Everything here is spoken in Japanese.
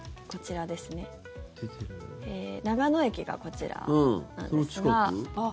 長野駅がこちらなんですが。